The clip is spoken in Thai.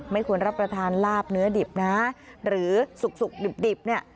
ควรรับประทานลาบเนื้อดิบนะหรือสุกดิบเนี่ย